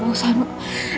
gak usah nuh